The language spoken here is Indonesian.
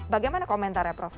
bagaimana komentarnya prof